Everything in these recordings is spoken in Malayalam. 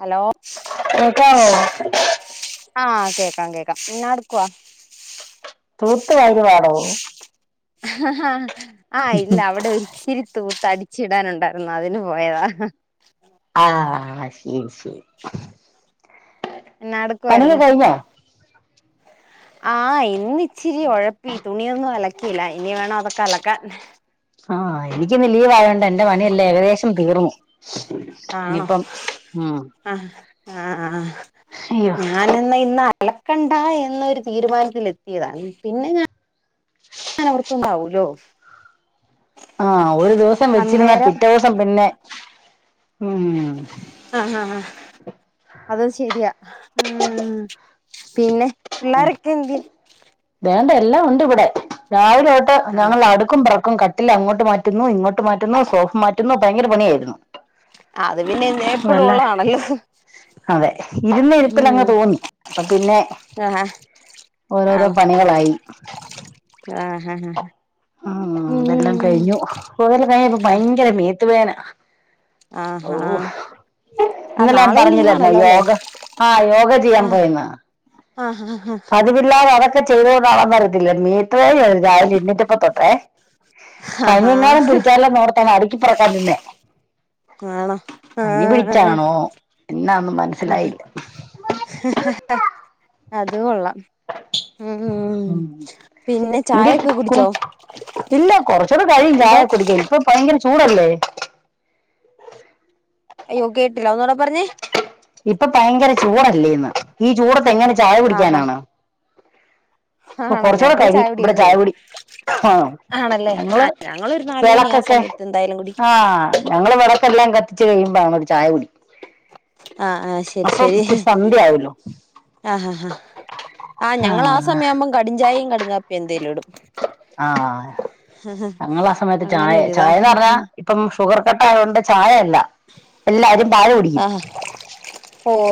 ഹലോ കേക്കാവോ? ആഹ് കേക്കാം കേക്കാം ന്നാഎടുക്കുവാ? തൂത്ത് വാരുവാണോ? ആഹ് ഹാ ആ ഇല്ല അവിടെ ഒരിച്ചിരി തൂത്ത് അടി ച്ചിടാനുണ്ടായിരുന്ന് അതിന് പോയതാ. ഹ ഹ ആഹ് ശരി ശരി. ന്നാ എട്ക്കുവായിരുന്നു? പണിയൊക്കെ കഴിഞ്ഞോ ആഹ് ഇന്ന് ഇച്ചിരി ഒഴപ്പി തുണിയൊന്നും അലക്കിയില്ല ഇനി വേണം അതൊക്കെ അലക്കാൻ. ആഹ് എനിക്കിന്ന് ലീവ് ആയോണ്ട് എന്റെ പണിയെല്ലാം ഏകദേശം തീർന്നു. ആണോ ഇനിയിപ്പം ഉം ആഹ് ആ ആ അയ്യോ ഞാനെന്നാ ഇന്ന് അ അലക്കണ്ട എന്നൊരു തീരുമാനത്തിൽ എത്തിയതാ പിന്നെ ഞാൻ [unintelligible] ഉണ്ടാവുമല്ലോ ആഹ് ഒരു ദിവസം വെച്ചിരുന്നാ അന്നേരം പിറ്റേ ദിവസം പിന്നെ ഉം ആഹ് ഹാ അതും ശരിയാ. ഉം പിന്നെ പിള്ളാരൊക്കെ എന്ത്യേ? എല്ലം ഉണ്ട് ഇവിടെ രാവിലോട്ട് ആഹ് ഞങ്ങൾ അടുക്കും പെറക്കും ക ട്ടിൽ അങ്ങോട്ട് മാറ്റുന്നു ഇങ്ങോട്ട് മാറ്റുന്നു സോഫ മാറ്റുന്നു ഭയങ്കര പണിയായിരുന്നു. അത് പിന്നെ എന്നേ എപ്പോഴും അതല്ല ഉള്ളതാണല്ലോ. അതെ ഇരുന്ന ഇരുപ്പിൽ അങ്ങ് ഉം തോന്നി അപ്പൊ പിന്നെ ആഹ് ഓരോരോ പണികളായി ആ ഹഹ ആ ഉം ഇതെല്ലാം കഴിഞ്ഞു പോതെല്ലാം കഴിഞ്ഞപ്പോ ഭയങ്കര മീത്ത്പേന ആഹ ഇന്നലെ ഞാൻ പറഞ്ഞില്ലരുന്നോ യോഗ ആ യോഗ ചെയ്യാൻ പോയിന്ന ആ ഹ ഹ ഹ ക്കെ ചെയ്തതാണെന്ന് അറിയത്തില്ലേ മീറ്റ രാവിലെ എണ്ണൂറ്റിപ്പത്തൊട്ടേ ആഹാ പനിയെങ്ങാളും പിടിച്ചാലല്ലോ നോർത്തണ അടുക്കിപ്പറക്കാൻ തിന്നെ ആണോ പനി ആഹ് പിടിച്ചാണോ എന്ന ഒന്നും മനസ്സിലായില്ല അത് കൊള്ള മ്മ്മ് ഉം പിന്നെ ചായ ഒക്കെ എന്തിട്ക്കും കുടിച്ചോ ഇല്ല കുറച്ചൂടെ കഴിയും എന്തോ ചായ കുടിക്കൻ ഇപ്പൊ ഭയങ്കര ചൂടല്ലേ യോഗ ഇപ്പൊ ഭയങ്കര ചൂടല്ലേ ഇന്ന് ഈ ചൂടത്തെ എങ്ങനെ ചായ ആഹാ കുടിക്കാനാണ് അപ്പൊ ആണോ കൊറച്ചൂടെ ഞങ്ങള് കഴിയും ഇവിടെ കുടിയൊക്കെ ചായ കഴിഞ്ഞു കുൊടി ആ ആണല്ലേ ആ ഞങ്ങള് ഞങ്ങളൊരു നാല് മണി ആ വിളക്കൊക്കെ സമയത്ത് എന്തായാലും കുടിക്കും ആഹ ഞങ്ങള് വിളക്കല്ല എല്ലാം കത്തിച്ച് കഴിയ്പോഴ ചായ കുൊടി ആഹ് ആഹ് ശരി ശരി ഇച്ചിരി സന്ധ്യ ആവല്ലോ ആ ആാ ഹാ ആ് ഞങ്ങൾ ആ സമയ ആവുമ്പം കടും ചായയും കടും എന്തതില ഇടും ആഹ ഞങ്ങൾ ആ സമയത്ത് അങ്ങനെ ചായ ഒരിതാ ചായന്ന് പറഞ്ഞാ ഇപ്പം ഷുഗർ കട്ടായയുകൊണ്ട് ചായയല്ല എല്ലാവാരും ചായ കുടിക്കും ആഹ്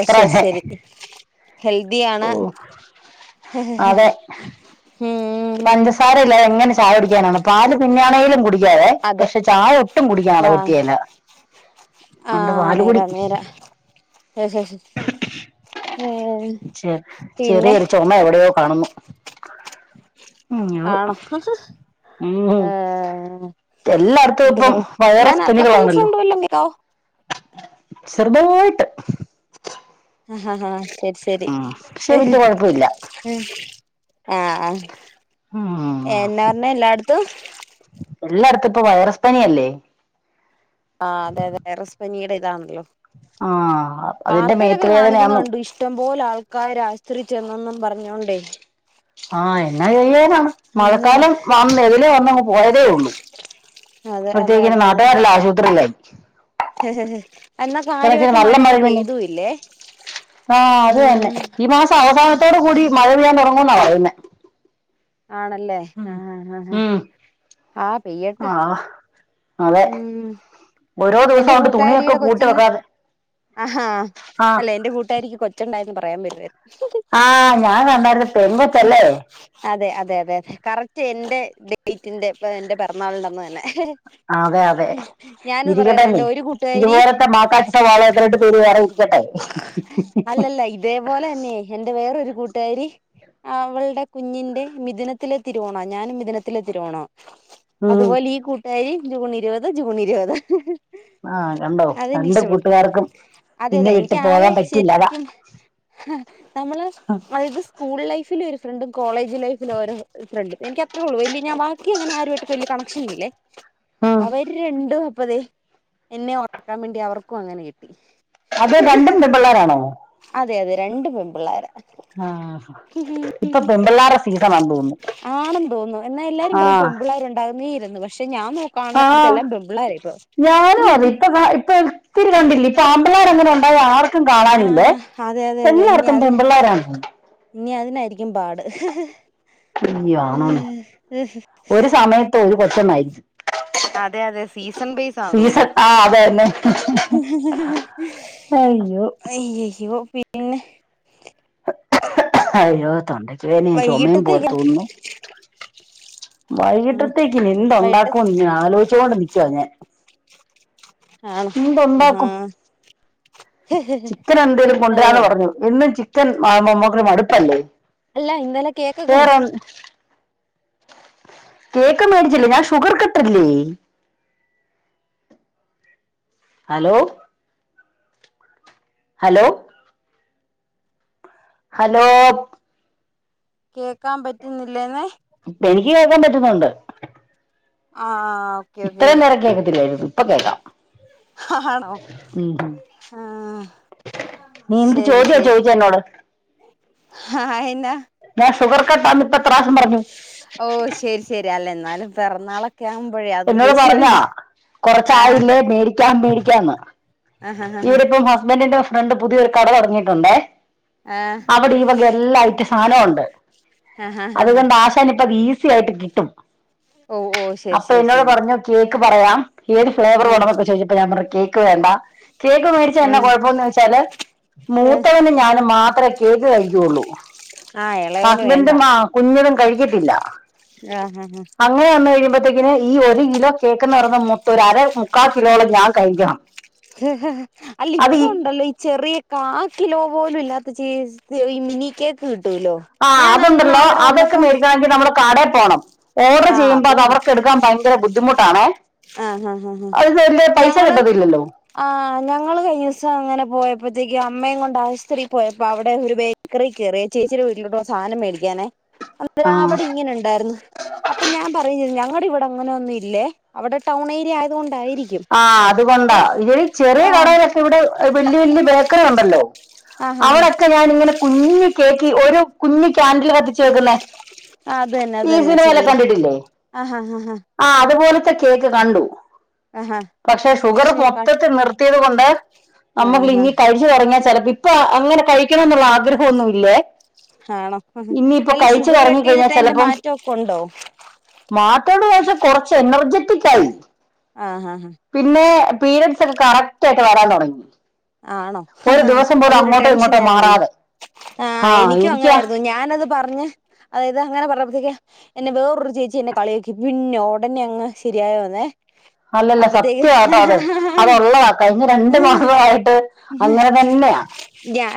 അത്ര ഹെൽദി ആാണ് അതെ പഞ്ചസാര ഇല്ല എങ്ങനെ ചായടിക്കാനാണ് പാല് പിന്നണെ ടിക്കാതെ അതെ പക്ഷെ ചായ ഒട്ടും കുടിക്കാൻ ആഹ് പറ്റിയല്ല അന്റെ വാലുകുടി അ ആ ചെ പിന്നെ ചെറിയൊരു ചുമ എവിടെയോ കാണുന്നു ഉം ആവും ആണോ ഉം ഏഹ് എല്ലായിടത്തും എന്ത് ഇപ്പം പറ ഞാൻ വയറസ് അളക്കുന്ന പനികളാണല്ലോ സൗണ്ട് വല്ലോം കേക്കാവോ ചെറുതയിട്ട് ആഹ ഹഹ ഹഹ ശരി പക്ഷെ വല്യ കൊഴപ്പമില്ല ശരി ഉ ആഹ ഉം എന്നാ പറഞ്ഞെ എല്ലായിടത്തും എല്ലായിടത്തും ഇപ്പൊ വൈറസ് പനീ അല്ലേ ആഹ് അതെ അതെറസ് പനിയുടെ ഇതാണല്ലോ ആഹ് അതിന്റെ മേത്ത് വാർത്തയിലൊക്കെ കാണിക്കുന്ന വേദനയാന്നും കണ്ടു ഇഷ്ടം പോലെ ആൾക്കാരെ ആശ്രയിച്ചെന്നൊന്നെന്നും പറഞ്ഞോണ്ടേ ആഹ എന്നാ ചെയ്യാനാണ് മഴക്കാലം വന്ന് എതിലേ വന്നങ്ങ് പോയതേ ഉള്ളു അതെ അതെ അപ്പത്തേക്കിന് അതെ അതെ നാട്ടുകാരെല്ലാം ആശുപത്രില്ല എന്നാ കാര്യമായിട്ട് മഴ അങ്ങ് പെയ്തുല്ലേ ആഹ അത് തന്നെ ഈ മാസം അവസാനത്തോട് കൂടി മഴ പെയ്യാൻ തുറങ്ങുന്നാ പറയുന്നേ ആണല്ലേ ആ ഉം ആ പെയ്യട്ട് ആഹ് അതെ ഓരോ എന്റെ ദിവസം കൊണ്ട് തുണിയൊക്കെ കൂട്ടാരിയുടെ കൂട്ടി കൊച്ചിന്ന് വെക്കാതെ ആഹാ ആഹ് അല്ല എൻറെ കൂട്ടാരിക്ക് കൊച്ചുണ്ടായിരുന്നു പറ പറയാൻ വരുമായിരുന്നു ആഹ ഞാൻ വന്നരപെണ്ണകൊച്ചാലെ അതെ അതെ അതെ അതെ കറക്റ്റ് എന്റെ ഡേറ്റിന്റെ എന്റെ പിറന്നാളിന്റെ അന്ന് തന്നെ അതെ അതെ ഞാനിത് ഇരിക്ക പറയായിരുന്നു എന്റെ ഒരു കൂട്ടുകാരി ഇതുപോലത്തെ മാക്കാട്ട സവാളയത്തിലിട്ട് പീര് വേറെ കുടിക്കട്ടെ അതുപോലെ തന്നെ എന്റെ വേറൊ ഒരു കൂട്ടുകാരി അവളുടെ കുഞ്ഞിന്റെ മിഥുനത്തിലെ തിരുവോണോ ഞാനും മിഥുനത്തിലെ തിരുവോണോ ഉം അതുപോലെ ഈ കൂട്ടുകാരി ജൂൺ ഇരുപത് ജൂൺ ഇരുപത് ആഹ് കണ്ടോ അതെനിക്ക് രണ്ട് ഇഷ്ടപ്പെട്ടു കൂട്ടുകാർക്കും അതെ അതെ നിന്നെ വിട്ട് എനിക്ക് ആകെ പോകാൻ പറ്റില്ല അതാ ശരിക്കും നമ്മള് അതത് സ്കൂൾ ലൈഫിൽ ഒരു ഫ്രണ്ടും കോളേജ് ലൈഫിൽ ഓരോ ഫ്രണ്ട് എനിക്ക് അത്രേള്ള വലല് ഞാൻ ബാക്കി അങ്ങനെ ആരുമായിട്ട് വലിയ കണക്ഷൻ ഇല്ലേ ഉം അവര് രണ്ടും മുപ്പതേ എന്നെ ഉറക്കാൻ വേണ്ടി അവർക്കും അങ്ങനെ കിട്ടി അത് രണ്ടും [unintelligible] പിള്ളേർാണോ രണ്ട്പെൺപിള്ളേര ആഹ ഉ ആണെന്ന് തോന്നുന്നു എന്നാ എല്ലാരും പറ ആഹ് പെമ്പിള്ളേരു ഉണ്ടാകുന്നീ പക്ഷെ ഞാൻ നോക്കാണത്തെ ആഹ് എല്ലാം പെൺപിള്ളേര് ഇപ്പൊ ഞാനും അത ഇപ്പൊ ഇപ്പ ഒത്തിരി കണ്ടില്ലേ ഇപ്പൊ ആമ്പലർ അങ്ങനെ ഉണ്ടായ ആർക്കും കാണാനില്ലേ ആഹ് അതെ അതെ അതെ ഇനി എല്ലായിർക്കും അത് പെൺപിള്ളാരാണ് ഇനി അതിനായിരിക്കും പാട് ഇ [unintelligible] ഒരു സമയത്ത് ഒരു കൊച്ചമായിരിക്കും അതെ അതെ സീസൺ വൈസാ തോന്നുന്നു സീസൺ ആ അത് തന്നെ അയ്യോ [unintelligible] പിന്നെ [inaudible] അയ്യോ തൊണ്ടക്ക് വേദനയ ചുമയും പോലെ വൈകിട്ടത്തേക്കാ തോന്നന്നു ആണോ വൈകിട്ടത്തേക്ക് എന്ത വൈകിട്ട് ഉണ്ടാക്കുംന്ന് ഇങ്ങനെ ആലോചിച്ചുകൊണ്ട് നിക്കുവ ഞാൻ ആണോ ആഹാ എന്തുണ്ടാക്കും ചിക്കൻ എന്തേങ്കലും അത് കൊണ്ടുവരാന്ന് കൊള്ളാം പറഞ്ഞു ഇന്നും ചിക്കൻ [unintelligible] മടുപ്പല്ലേ അല്ല ഇന്നലെ കേക്കക്ക വേറെ [unintelligible] കേക്ക് മേടിച്ചില്ലേ ഞാൻ ഷുഗർ കട്ടല്ലേ ഹലോ ഹലോ ഹലോ കേൾക്കാൻ പറ്റുന്നില്ലേന്നെ എനിക്ക് [unintelligible] ആ ആ ഇത്രയും നേരം കേൾക്കതില്ലായിരുന്നു ഇപ്പ കേൾക്കാം ആണോ ഉം. ഉം ആ നീ എന്ത് ശരി ചോദ്യ ശരി ചോദിച്ച എന്നോട് ആ എന്നാ ഞ ഷുഗർ കട്ടാന്ന് ഇപ്പ എത്ശ പറഞ്ഞു ഓ ശരി ശരി അല്ല എന്നാലും പിറന്നാളൊക്കെ ആവുമ്പോഴേ അത് എന്നട് ഉദ്ദേശിച്ച് പറഞ്ഞാ ചോദിച്ച കൊറച്ച ആ ആളല്ലേ മേടിക്കാ മേടിക്കാന്ന് ആഹ് ഹ ഹ ഇവിടെപ്പം ഹസ്ബൻറിന്റെ ഫ്രണ്ട് പുതിയൊ ഒരു കട തുടങ്ങിട്ടുണ്ടേ ആ അവിടെ ഈ വക എല്ലാ ഐറ്റ സാധനവും ഉണ്ട് ആ ഹ ഹ ഹ അതുകൊണ്ട് ആശാന ഇപ്പ അത് ഈസി ആയിട്ട് കിട്ടും ഓ ഓ ശരി അപ്പൊ ശരി എന്നോട് ശരി പറഞ്ഞു കേക്ക് പറയാം ഏത് ഫ്ലേവർ ഉം വേണം എന്നൊക്കെ ചോദിച്ചപ്പോ ഞാൻ പറഞ്ഞ കേക്ക് വേണ്ട കേക്ക് മേടിച്ച എന്നെ ഉം കുഴപ്പംന്ന് വെച്ചാൽ മൂത്തവന് ഞാൻ മാത്രം കേക്ക് കഴിക്കുള്ളൂ ആ ഇളയവന് വേണ്ട ഹസ്ബൻറും ആ കുഞ്ഞിനും കഴിക്കത്തില്ല ആ ആ അങ്ങനെ വന്ന കഴിയുമ്പോ ത്തേ ഈ ഒരു കിലോ കേക്കന്ന് പറയുന്ന മുത്തൂരാ ആരെ മുക്കാൽ കിലോളം ഞാൻ കഴിക്കണം അല്ല ഇപ്പൊ ഉണ്ടല്ലോ ഈ ചെറിയ കാ കിലോ പോലും ഇല്ലാത്ത ച ഈ മിനി കേക്ക് [unintelligible] ആ ഞാൻ അന്ന് അതുണ്ടല്ലോ അവിടെ അതൊക്കെ വന്നപ്പം മേടിക്കണമെങ്കി നമ്മള് കട പോണം ഓർഡർ ചെയ്യുമ്പോ അത് അവർക്ക് എടുക്കാൻ ഭയങ്കര ബുദ്ധിമുട്ടാണേ ആഹ ഹ ഹ ഹ അത് വലിയ പൈസ ഞങ്ങള് കിട്ടത്തില്ലല്ലോ ആ ഞങ്ങള് കഴി ദിവസം അങ്ങനെ പോയ അപ്പത്തേക്ക് അമ്മയെ കൊണ്ട് ആശുപത്രിൽ പോയ അപ്പോൊ അവിടെ ഒരു ബേക്കറി കയറി ചേച്ചിയ വീട്ടിലോട്ട് ഉള്ള സാധനം മേടിക്കാനേ. ആ അവിടെ ഇങ്ങനെ ഉണ്ടായിരുന്നു. അപ്പൊ ഞാൻ പറയഞ്ഞ ഞങ്ങളുടെ ഇവിടെ അങ്ങനെ ഒന്നും ഇല്ലേ അവിടെ ടൗൺ ഏരിയ ആയതത് കൊണ്ട്. ആ അതുകൊണ്ടാ ഇ ചെറിയ ആ കടയിലൊക്കെ ഇവിടെ വലിയ വലിയ ബേക്കറി ഉണ്ടല്ലോ, ആ ആ അവളൊക്കെ ഞാൻ ഇങ്ങനെ കുഞ്ഞി കേക്കി ഒരു കുഞ്ഞി കാൻഡിൽ കത്തിച്ചു വെക്കുന്നേ ആ അത് തന്നെ അത് ഈ തന്നെ സിനിമയിലെ ചെറിയ കണ്ടിട്ടില്ലേ ആഹ ഹ് ഹ ഹ ആ അതുപോലത്തെ കേക്ക് കണ്ടു ആ ആ പക്ഷെ ഷുഗർ ശരി കട്ട് മൊത്തത്തിൽ നിർത്തിയത് കൊണ്ട് ആ നമ്മക്ക് ആ ഇനി കഴിച്ചു തുങ്ങിയാ ചിലപ്പോ ഇപ്പൊ അങ്ങനെ കഴിക്കണം എന്നുള്ള ആഗ്രഹൊന്നു ഇല്ലേ ആണോ ഇനിയിപ്പോ അല്ല കഴിച്ചു ഷുഗർ തുടങ്ങി കട്ട് ചെയ്തിട്ട് അതിന്റെ മാറ്റൊക്കെ ഉണ്ടോ? മാറ്റോണ്ടോ വച്ചാൽ കൊറച്ച് എനർജെറ്റിക്കായി ആഹ് ആഹ് ഹഹ പീര്ഡ്സൊക്കെ കറക്റ്റ് ആയിട്ട് വരാൻ തൊടങ്ങി. ആണോ ഹ് ഹ് അതൊരു ടെൻഷൻ ഇങ്ങോട്ടോ ആയിരുന്നല്ലോ? മാറാതെ ആ ആഹ് എനിക്കും എനിക്കാ അങ്ങനായിരുന്നു ഞാനത് പറഞ്ഞ് ഇത് അങ്ങനെ പറഞ്ഞപ്പെത്തേക്ക് എന്നെ വേറൊരു ചേച്ചി എന്നെ കളി [unintelligible] ക്കി പിന്നെ ഒടനെ അങ്ങ് ശ ശരിയായോന്നെ അല്ലല്ല സത്യാട്ടോ അത് അത് ഉള്ളത കഴിഞ്ഞ രണ്ട് മാസ്വവായിട്ട് അങ്ങനെ തന്നെയാ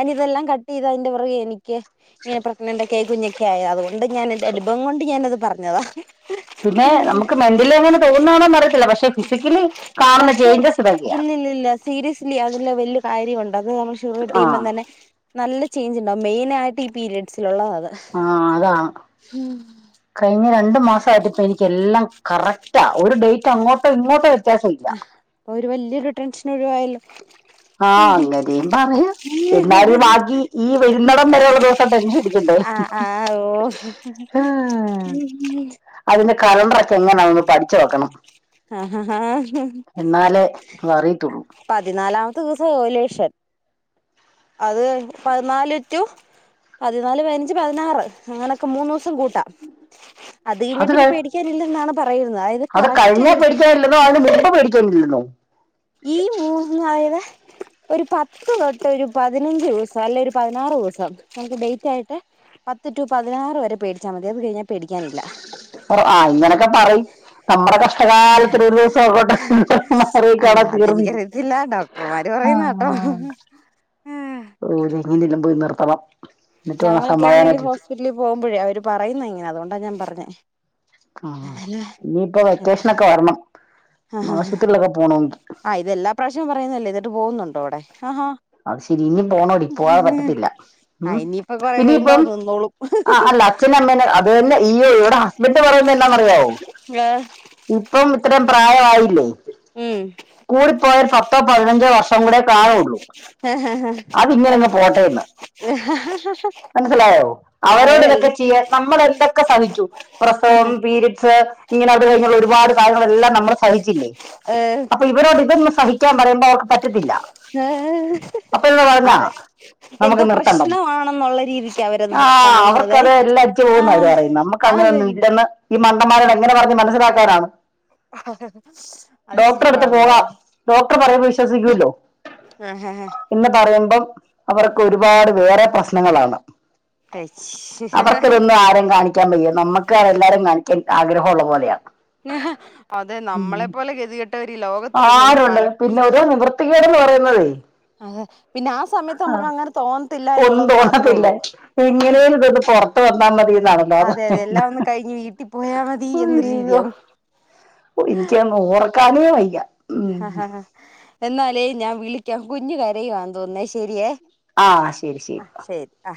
അനി ഇതെല്ലാ കട്ട് ചെയ്തതിന്റെ പിറകെ എനിക്ക് ഇങ്ങനെ പ്രഗ്നൻറ് കേ കുഞ്ഞ ക്കെ ക്കെ ആയി അതുകൊണ്ട് ഞാൻ എന്റെ അനുഭവം കൊണ്ട് ഞാനത് പറഞ്ഞതാ. പിന്നെ നമുക്ക് മെന്റലി അങ്ങനെ തോന്നുന്നാന്ന് അറിയത്തില്ല പക്ഷെ ഫിസിക്കലി കാണുന്ന പക്ഷെ ചേയ്ഞ്ചസ് ഇതൊക്കെയാണ്. ഇല്ലില്ലില്ല സീരിയസ്ലി അതിൽ വലിയ കാര്യവുണ്ട് അത് നമ്മളെ ആ ടീമ്ന്നന്നെ നല്ല ചേഞ്ച് മെയിനാ ആയിട്ട് ഈ പീരയഡ്സില്ള്ളൊതാ ആഹ് അതാ ഉം ഈ രണ്ടു മാസായിട്ട് പ്പോ എനിക്കെല്ലാം കറക്റ്റ ഒരു ഡേറ്റ് അങ്ങോട്ടോ ഇങ്ങോട്ടോ- വ്യത്യാസം ഇല്ല അഹ് ഒരു വല്ല്യെരു ടെൻഷൻ ഒഴിവായല്ലോ ആഹ് അങ്ങനീം പറയാ എന്നാലും വാകി ഈ വരുന്നടം വരെ [unintelligible] ഉള്ള ദിവസം ടെൻഷൻട ണ്ടേ ആഹ് ആഹ് ഓ ആഹ് അതിന്റെ കലണ്ട്രക്കെ എങ്ങനാന്ന് പഠിച്ച് വെക്കണം. ആഹ് ഹാ എന്നാലേ അറിയത്തുള്ളൂ നാലാമത്തെ ദിവസം ഓലേഷൻ അത് പതിനാല് റ്റു പതിനാല് പതിനഞ്ച് പതിനാറ് അങ്ങനൊക്കെ മൂന്നൂസം കൂട്ടാം. അത് കെഴിഞ്ഞാ പിന്നെ പേടിക്കാനില്ലെന്നാണ് പറയുന്നത് അതായത് കറക്റ്റ് കഴിഞ്ഞ ആയിട്ട് പേടിക്കാനില്ലെന്നോ അതിന് മുമ്പ് പേടിക്കാനില്ലന്നോ? ഈ മൂന്നായത് ഒരു പത്ത് തൊട്ട് ഒരു പതിനഞ്ച് ദിവസം അല്ലെ ഒരു പതിനാറ് വ്സം നമുക്ക് ഡേറ്റ് ആയിട്ട് പത്ത് റ്റു പതിനാറ് വരെ പേടിച്ചാ മതി അത് കഴിഞ്ഞാൽ പേടിക്കാനില്ല. ആഹ് ഇങ്ങനെയൊക്കെ പറയും നമ്മടെ കഷ്ടകാലത്തിൻ ഒരു ദിവസം ഉള്ളിലോട്ട് [unintelligible] ക്കെ അല്ല അതോടെ തീർന്നില്ലേ അതെനിക്കറിയത്തില്ല ഡോക്ടർമാര് പറയുന്ന കേട്ടോ ആഹ് ഒര് [unintelligible] നിലം പോയി നിർത്തവം ഞങ്ങളൊക്കെയാണെല് ഹോസ്പിറ്റ്ല് പോകുമ്പഴേ അവര് പറയുന്ന ഇങ്ങനെ അതുകൊണ്ടാ ഞാൻ പറഞ്ഞെ ആഹ് ഇഞ്പ്പൊ വെക്കേഷനൊക്കെ വരണം അഹ് അഹ് ആശുപത്രിയിലൊക്കെ പോണോങ്കി അഹ് ഇത് എല്ലാ പ്രാവശ്യം പറയുന്നല്ലേ ഇന്നട്ട് പോകുന്നുണ്ടോ ഇവിടെ അഹ് ആഹാ അത് ശെരി ഇനി പോണോടി പോവാതെ പറ്റത്തില്ല ആ ഉം ഇനിയിപ്പൊ കൊറെ കഴിയുമ്പോ ഇനിയിപ്പം അത് നിന്നോളും ആഹ് അല്ല അച്ഛനമ്മന് അത്തന്നെ ഈ ഇവിടെ ഹസ്ബൻഡ് പറയുന്നത് എന്ന അറിയാവോ ഏഹ് ഇപ്പം ഇത്രം പ്രായ ആയില്ലേ ഉം കൂടിപ്പോയ ഒര് പത്തോ പതിനഞ്ചോ വർഷം കൂടെ കാണോള്ളൂ അതിങ്ങനേങ്ങ് പോട്ടെന്ന്. മൻസ്സിലായോ അവരോട് അതായത് ഇതൊക്കെ ചെയ്യാ നമ്മളെ എന്തൊക്കെ സാഹിക്കു പ്രസവം പീര്ഡ്സ് ഇങ്ങനെ അട് കഴിഞ്ഞുള്ള ഒരുപാട് കാര്യങ്ങള് എല്ലാം നമ്മൾ സഹിച്ചില്ലേ ഏഹ് അപ്പൊ ഇവരോട് ഇവൻ സഹി റ്റാൻ പറയുമ്പോ അവർക്ക് പറ്റത്തില്ല. എഹ് അപ്പൊ ഇവർ പറഞ്ഞാ അതെ നമുക്ക് എന്തോ നിർത്തണ്ടം പ്രശ്നമാണെന്നുള്ള രീതിക്ക് അവരത് ആ കാണുന്നതെ. [unintelligible] നമുക്ക് അങ്ങനൊന്നും ഇല്ലന്ന് ഈ മണ്ടന്മാരോട് എങ്ങനെ പറഞ്ഞ് മനസ്സിലാക്കാനാണ്. [unintelligible] അത് ഇച്ചിരി ഡോക്ടറെ അടുത്ത് പാടുള്ള പോകാം കാര്യ ഡോക്ടർ പറയുമ്പോൾ വിശ്വസിക്കുമല്ലോ ആ ഹേഹേ എന്ന് പറയുമ്പം അവർക്ക് ഒരുപാട് വേറെ പ്രസ്നങ്ങളാണ്. കഴിച്ച് അവർക്ക്തൊന്നും ആരും കാണിക്കാൻ ബയ്യ നമ്മുക്ക് എല്ലാരും കാണിക്കാൻ ആഗ്രഹം ഉള്ള പോലെയാണ്. [unintelligible] അതെ നമ്മളെ പോലെ ഗതികെ ആരുണ്ട് പിന്നെ ഒര് നിവർത്തിക്കേടെന്ന് പറയുന്നതേ അതെ പിന്നെ ആ സമയത്ത് ആ. നമുക്ക് അങ്ങനെ തോന്നത്തില്ല ഒന്നും എന്നുള്ളത് മാത്രേ തോന്നത്തില്ല ഉള്ളൂ എങ്ങനെയും ഇതൊന്ന് പുറത്ത് വന്നാ മതി എന്നാണല്ലോ [inaudible] അത് അതെ അതെ എല്ലാം ഒന്ന് കഴിഞ്ഞ് വീട്ടി പോയാ മതി എന്നൊരു രീതിയാവും. ഓ ഇൻകൃതൊന്നും ഓർക്കാനേ വയ്യ. ഉം. ഹാ ഹാ എന്നാലേ ഞാൻ വിളിക്കാം കുന്ന് കരയുവാ തോന്നേ ശരിയേ. ആ ശരി ശരി. ആഹ് ആ